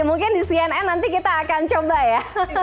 mungkin di cnn nanti kita akan coba ya